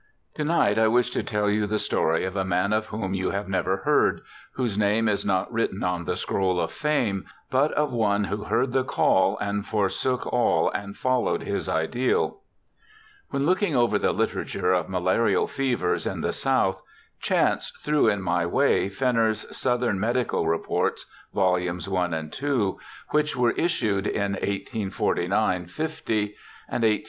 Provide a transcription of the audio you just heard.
To night I wish to tell you the story of a man of whom you have never heard, whose name is not written on the scroll of fame, but of one who heard the call and forsook all and followed his ideal. When looking over the literature of malarial fevers in the South, chance threw in my way Fenner's Southern Medical Reports, vols, i and ii, which were issued in 1849 50 and 1850 51.